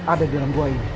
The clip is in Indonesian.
ada di dalam gua ini